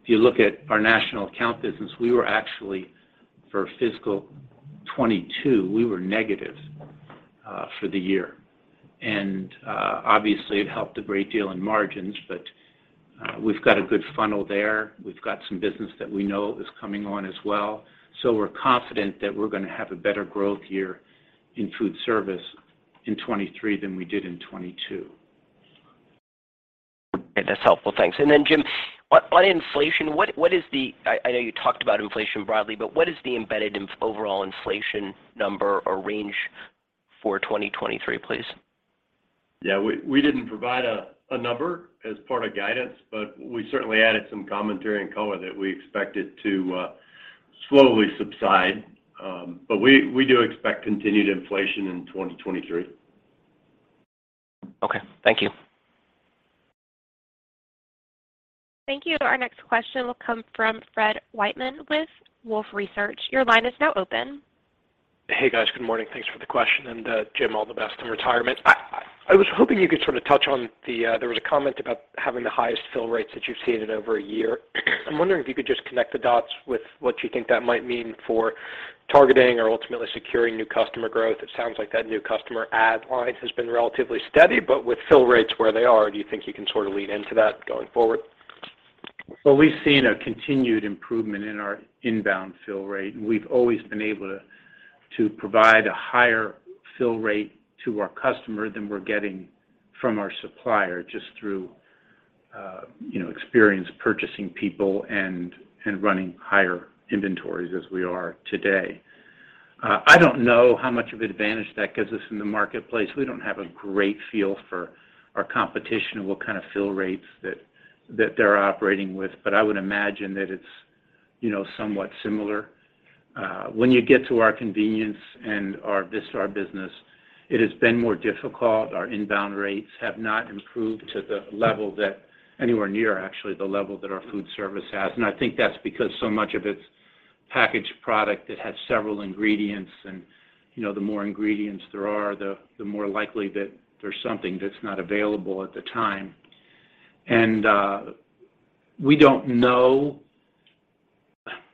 if you look at our national account business, we were actually, for fiscal 2022, we were negative for the year. Obviously, it helped a great deal in margins, but we've got a good funnel there. We've got some business that we know is coming on as well. We're confident that we're gonna have a better growth year in food service in 2023 than we did in 2022. Okay. That's helpful. Thanks. Jim, on inflation, what is the overall inflation number or range for 2023, please? Yeah. We didn't provide a number as part of guidance, but we certainly added some commentary in COA that we expect it to slowly subside. We do expect continued inflation in 2023. Okay. Thank you. Thank you. Our next question will come from Fred Wightman with Wolfe Research. Your line is now open. Hey, guys. Good morning. Thanks for the question, and Jim, all the best in retirement. I was hoping you could sort of touch on the, there was a comment about having the highest fill rates that you've seen in over a year. I'm wondering if you could just connect the dots with what you think that might mean for targeting or ultimately securing new customer growth. It sounds like that new customer add line has been relatively steady, but with fill rates where they are, do you think you can sort of lean into that going forward? We've seen a continued improvement in our inbound fill rate. We've always been able to provide a higher fill rate to our customer than we're getting from our supplier just through you know, experienced purchasing people and running higher inventories as we are today. I don't know how much of an advantage that gives us in the marketplace. We don't have a great feel for our competition and what kind of fill rates that they're operating with. I would imagine that it's you know, somewhat similar. When you get to our convenience and our Vistar business, it has been more difficult. Our inbound rates have not improved to anywhere near, actually, the level that our foodservice has. I think that's because so much of it's packaged product that has several ingredients and, you know, the more ingredients there are, the more likely that there's something that's not available at the time. We don't know.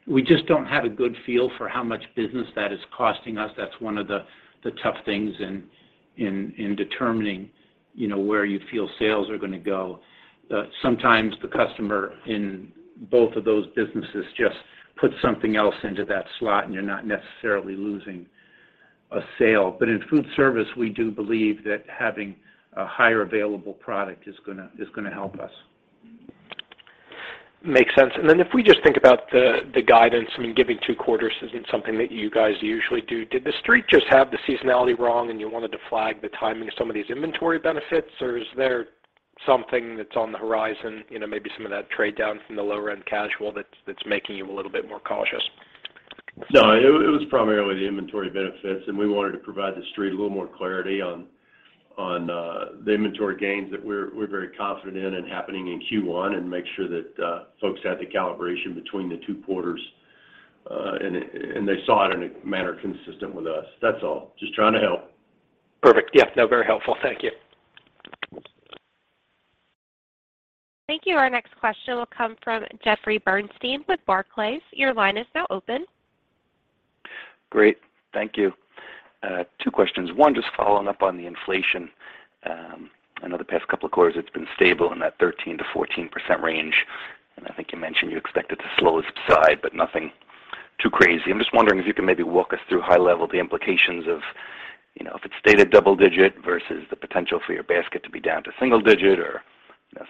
We just don't have a good feel for how much business that is costing us. That's one of the tough things in determining, you know, where you feel sales are gonna go. Sometimes the customer in both of those businesses just puts something else into that slot, and you're not necessarily losing a sale. In food service, we do believe that having a higher available product is gonna help us. Makes sense. If we just think about the guidance, I mean, giving two quarters isn't something that you guys usually do. Did the Street just have the seasonality wrong and you wanted to flag the timing of some of these inventory benefits, or is there something that's on the horizon, you know, maybe some of that trade down from the lower end casual that's making you a little bit more cautious? No. It was primarily the inventory benefits, and we wanted to provide the Street a little more clarity on the inventory gains that we're very confident in and happening in Q1 and make sure that folks had the calibration between the two quarters, and they saw it in a manner consistent with us. That's all. Just trying to help. Perfect. Yeah. No, very helpful. Thank you. Thank you. Our next question will come from Jeffrey Bernstein with Barclays. Your line is now open. Great. Thank you. Two questions. One, just following up on the inflation. I know the past couple of quarters it's been stable in that 13%-14% range. I think you mentioned you expect it to slow its pace, but nothing too crazy. I'm just wondering if you can maybe walk us through high-level the implications of, you know, if it stayed at double-digit versus the potential for your basket to be down to single-digit or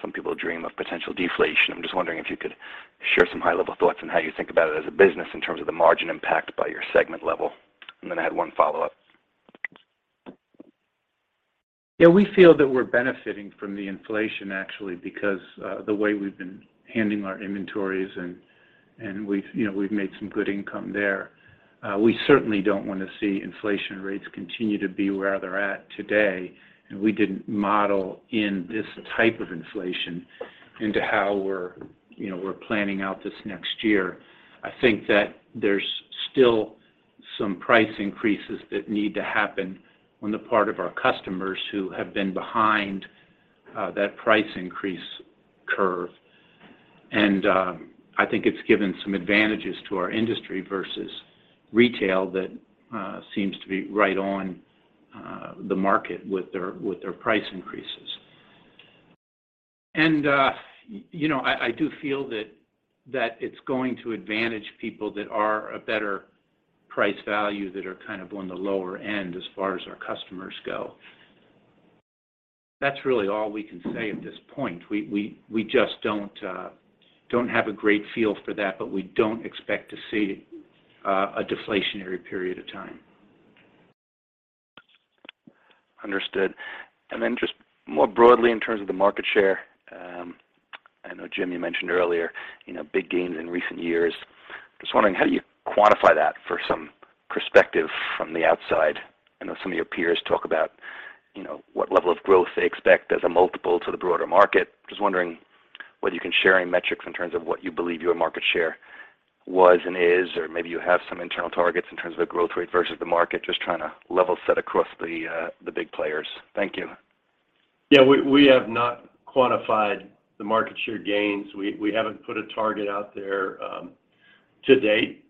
some people dream of potential deflation. I'm just wondering if you could share some high-level thoughts on how you think about it as a business in terms of the margin impact by your segment level. Then I had one follow-up. Yeah, we feel that we're benefiting from the inflation actually because the way we've been handling our inventories and we've, you know, we've made some good income there. We certainly don't want to see inflation rates continue to be where they're at today. We didn't model in this type of inflation into how we're, you know, we're planning out this next year. I think that there's still some price increases that need to happen on the part of our customers who have been behind that price increase curve. I think it's given some advantages to our industry versus retail that seems to be right on the market with their price increases. You know, I do feel that it's going to advantage people that are a better price value that are kind of on the lower end as far as our customers go. That's really all we can say at this point. We just don't have a great feel for that, but we don't expect to see a deflationary period of time. Understood. Just more broadly in terms of the market share, I know Jim, you mentioned earlier, you know, big gains in recent years. Just wondering how do you quantify that for some perspective from the outside? I know some of your peers talk about, you know, what level of growth they expect as a multiple to the broader market. Just wondering whether you can share any metrics in terms of what you believe your market share was and is, or maybe you have some internal targets in terms of the growth rate versus the market. Just trying to level set across the big players. Thank you. Yeah. We have not quantified the market share gains. We haven't put a target out there, to date,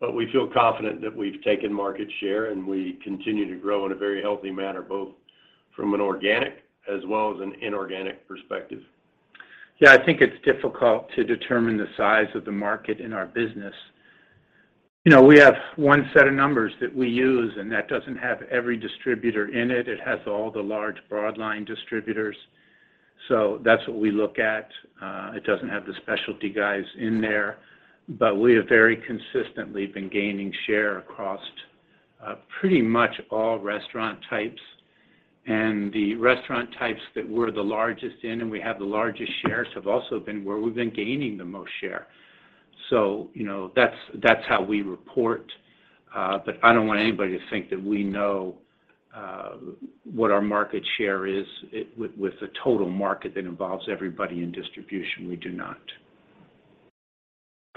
but we feel confident that we've taken market share, and we continue to grow in a very healthy manner, both from an organic as well as an inorganic perspective. Yeah. I think it's difficult to determine the size of the market in our business. You know, we have one set of numbers that we use, and that doesn't have every distributor in it. It has all the large broad line distributors. That's what we look at. It doesn't have the specialty guys in there. We have very consistently been gaining share across pretty much all restaurant types. The restaurant types that we're the largest in and we have the largest shares have also been where we've been gaining the most share. You know, that's how we report. I don't want anybody to think that we know what our market share is with the total market that involves everybody in distribution. We do not.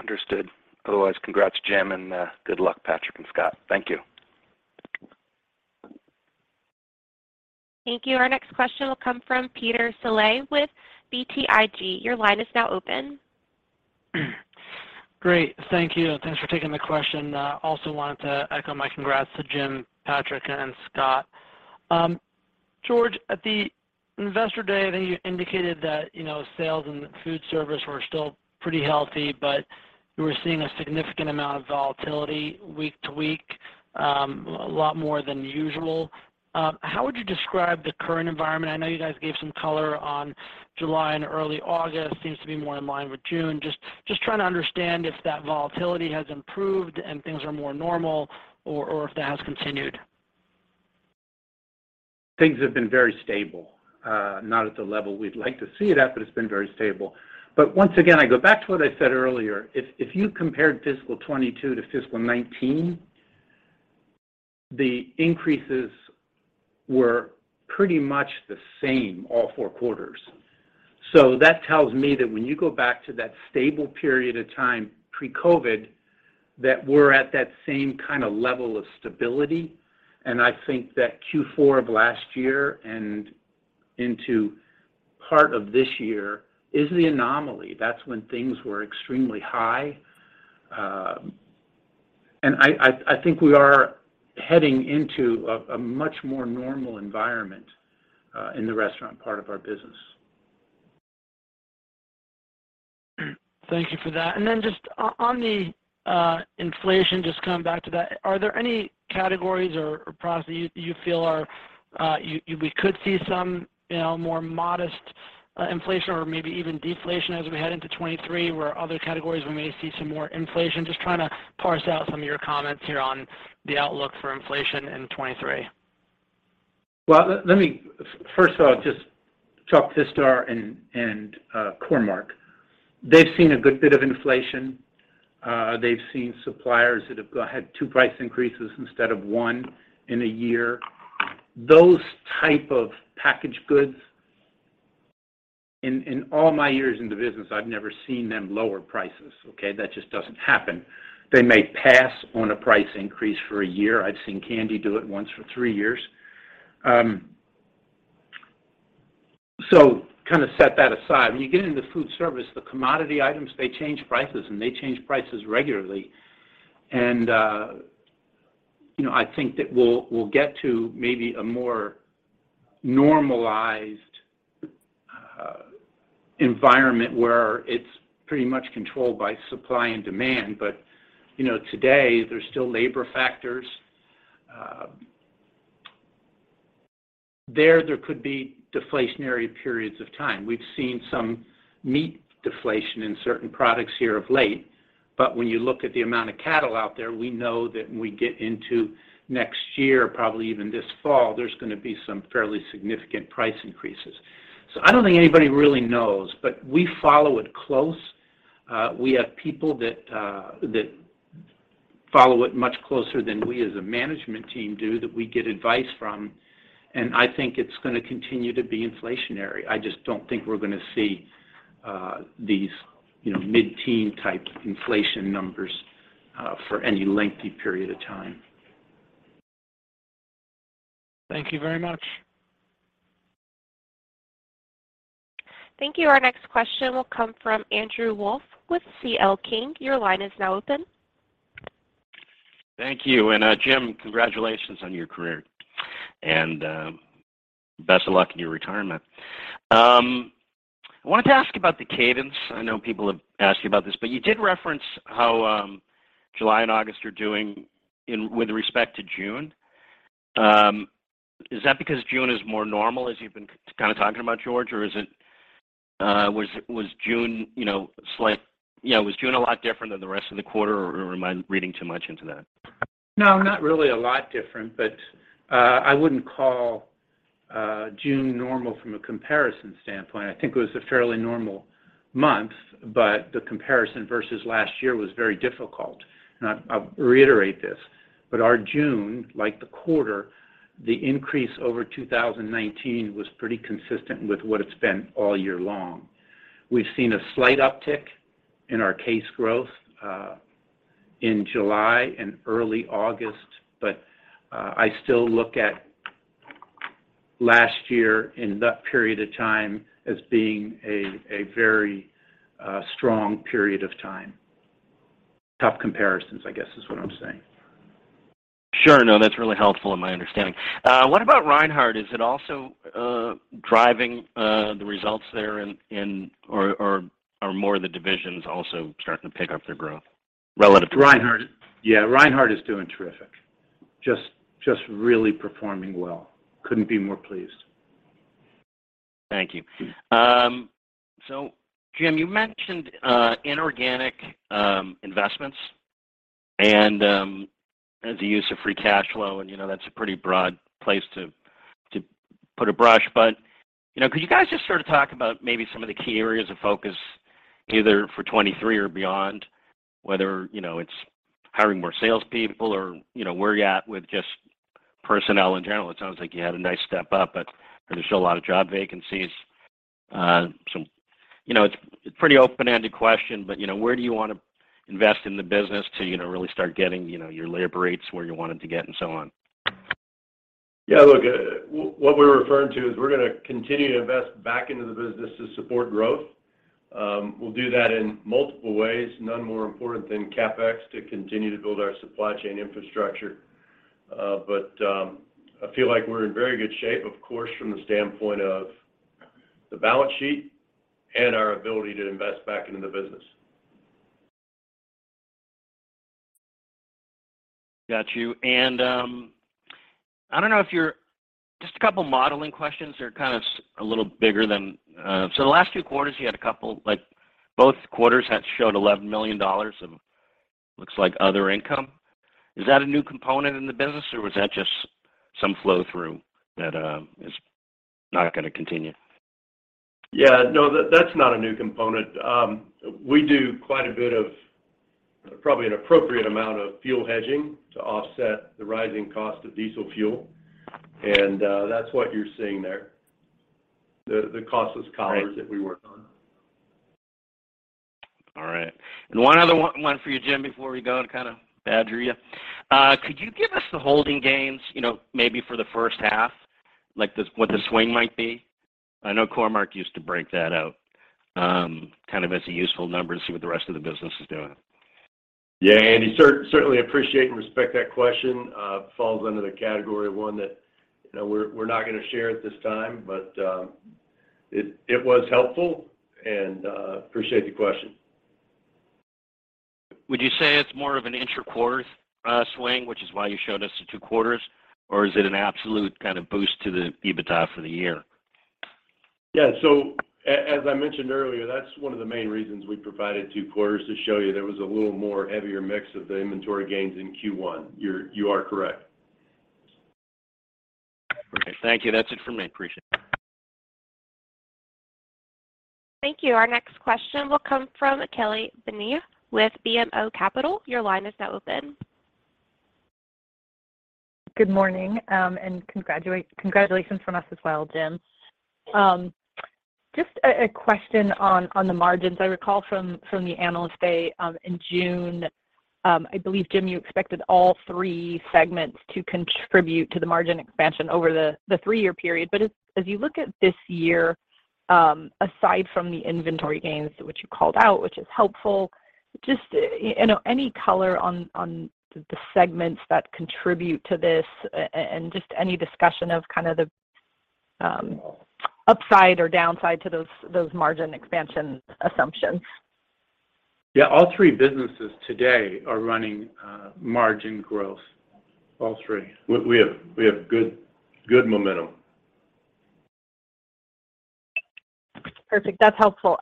Understood. Otherwise, congrats, Jim, and good luck, Patrick and Scott. Thank you. Thank you. Our next question will come from Peter Saleh with BTIG. Your line is now open. Great. Thank you. Thanks for taking the question. Also wanted to echo my congrats to Jim, Patrick, and Scott. George, at the Investor Day, I think you indicated that, you know, sales and foodservice were still pretty healthy, but you were seeing a significant amount of volatility week to week, a lot more than usual. How would you describe the current environment? I know you guys gave some color on July and early August. Seems to be more in line with June. Just trying to understand if that volatility has improved and things are more normal or if that has continued. Things have been very stable. Not at the level we'd like to see it at, but it's been very stable. Once again, I go back to what I said earlier. If you compared fiscal 2022 to fiscal 2019, the increases were pretty much the same all four quarters. That tells me that when you go back to that stable period of time pre-COVID, that we're at that same kind of level of stability. I think that Q4 of last year and into part of this year is the anomaly. That's when things were extremely high. I think we are heading into a much more normal environment in the restaurant part of our business. Thank you for that. Just on the inflation, just coming back to that, are there any categories or products that you feel we could see some, you know, more modest inflation or maybe even deflation as we head into 2023, where other categories we may see some more inflation? Just trying to parse out some of your comments here on the outlook for inflation in 2023. Well, let me first of all just talk to Vistar and Core-Mark. They've seen a good bit of inflation. They've seen suppliers that have had two price increases instead of one in a year. Those type of packaged goods, in all my years in the business, I've never seen them lower prices, okay. That just doesn't happen. They may pass on a price increase for a year. I've seen candy do it once for three years. Kind of set that aside. When you get into foodservice, the commodity items, they change prices, and they change prices regularly. You know, I think that we'll get to maybe a more normalized environment where it's pretty much controlled by supply and demand. You know, today there's still labor factors. There could be deflationary periods of time. We've seen some meat deflation in certain products here of late. When you look at the amount of cattle out there, we know that when we get into next year, probably even this fall, there's gonna be some fairly significant price increases. I don't think anybody really knows, but we follow it close. We have people that follow it much closer than we as a management team do that we get advice from, and I think it's gonna continue to be inflationary. I just don't think we're gonna see these, you know, mid-teen type inflation numbers for any lengthy period of time. Thank you very much. Thank you. Our next question will come from Andrew Wolf with C.L. King. Your line is now open. Thank you. Jim, congratulations on your career. Best of luck in your retirement. I wanted to ask about the cadence. I know people have asked you about this, but you did reference how July and August are doing with respect to June. Is that because June is more normal as you've been kind of talking about George? Or is it, you know, was June a lot different than the rest of the quarter, or am I reading too much into that? No, not really a lot different, but I wouldn't call June normal from a comparison standpoint. I think it was a fairly normal month, but the comparison versus last year was very difficult. I'll reiterate this, but our June, like the quarter, the increase over 2019 was pretty consistent with what it's been all year long. We've seen a slight uptick in our case growth in July and early August. I still look at last year in that period of time as being a very strong period of time. Tough comparisons, I guess, is what I'm saying. Sure. No, that's really helpful in my understanding. What about Reinhart? Is it also driving the results there in or more of the divisions also starting to pick up their growth relative to- Reinhart. Yeah, Reinhart is doing terrific. Just really performing well. Couldn't be more pleased. Thank you. Jim, you mentioned inorganic investments and as the use of free cash flow, and you know, that's a pretty broad place to put a brush. You know, could you guys just sort of talk about maybe some of the key areas of focus, either for 2023 or beyond, whether you know, it's hiring more salespeople or you know, where you at with just personnel in general? It sounds like you had a nice step up, but there's still a lot of job vacancies. You know, it's pretty open-ended question, but you know, where do you wanna invest in the business to you know, really start getting you know, your labor rates where you want them to get and so on? Yeah, look, what we're referring to is we're gonna continue to invest back into the business to support growth. We'll do that in multiple ways, none more important than CapEx to continue to build our supply chain infrastructure. I feel like we're in very good shape, of course, from the standpoint of the balance sheet and our ability to invest back into the business. Got you. Just a couple modeling questions. They're kind of a little bigger than. The last two quarters, you had a couple, like both quarters had showed $11 million of looks like other income. Is that a new component in the business, or was that just some flow through that is not gonna continue? Yeah. No, that's not a new component. We do quite a bit of probably an appropriate amount of fuel hedging to offset the rising cost of diesel fuel. That's what you're seeing there. The costless collars. Right. that we work on. All right. One other one for you, Jim, before we go to kinda badger you. Could you give us the holding gains, you know, maybe for the first half, like the, what the swing might be? I know Core-Mark used to break that out, kind of as a useful number to see what the rest of the business is doing. Yeah, Andy, certainly appreciate and respect that question. Falls under the category one that, you know, we're not gonna share at this time. It was helpful, and appreciate the question. Would you say it's more of an inter quarter swing, which is why you showed us the two quarters? Or is it an absolute kind of boost to the EBITDA for the year? Yeah. As I mentioned earlier, that's one of the main reasons we provided two quarters to show you there was a little more heavier mix of the inventory gains in Q1. You are correct. Okay. Thank you. That's it for me. Appreciate it. Thank you. Our next question will come from Kelly Bania with BMO Capital. Your line is now open. Good morning, and congratulations from us as well, Jim. Just a question on the margins. I recall from the Analyst Day in June, I believe, Jim, you expected all three segments to contribute to the margin expansion over the three year period. As you look at this year, aside from the inventory gains, which you called out, which is helpful, just, you know, any color on the segments that contribute to this and just any discussion of kind of the upside or downside to those margin expansion assumptions? Yeah. All three businesses today are running margin growth. All three. We have good momentum. Perfect. That's helpful.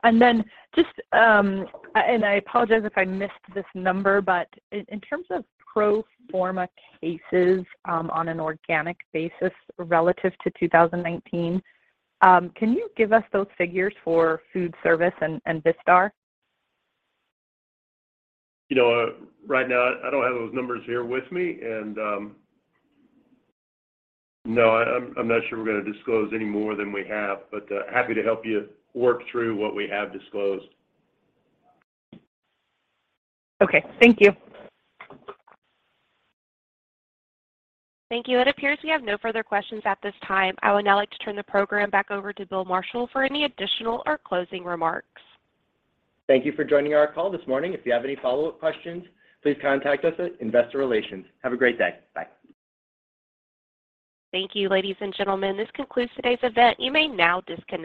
Just, I apologize if I missed this number, but in terms of pro forma basis, on an organic basis relative to 2019, can you give us those figures for Foodservice and Vistar? You know, right now I don't have those numbers here with me. No, I'm not sure we're gonna disclose any more than we have, but happy to help you work through what we have disclosed. Okay. Thank you. Thank you. It appears we have no further questions at this time. I would now like to turn the program back over to Bill Marshall for any additional or closing remarks. Thank you for joining our call this morning. If you have any follow-up questions, please contact us at Investor Relations. Have a great day. Bye. Thank you, ladies and gentlemen. This concludes today's event. You may now disconnect.